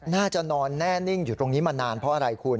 น่าจะนอนแน่นิ่งอยู่ตรงนี้มานานเพราะอะไรคุณ